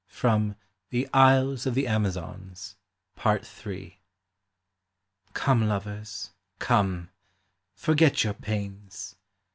FROM "THE ISLES OF THE AMAZONS," PART III. Come, lovers, come, forget your pains